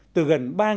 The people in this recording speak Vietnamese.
từ gần ba đồng